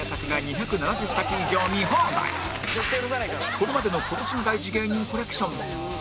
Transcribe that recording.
これまでの今年が大事芸人コレクションも